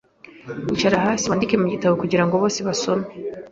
icara hasi wandike Mu gitabo kugirango bose basome